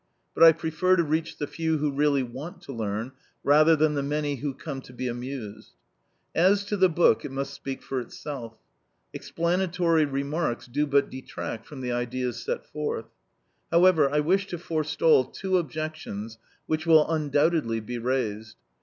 But I prefer to reach the few who really want to learn, rather than the many who come to be amused. As to the book, it must speak for itself. Explanatory remarks do but detract from the ideas set forth. However, I wish to forestall two objections which will undoubtedly be raised.